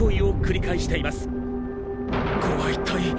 これは一体。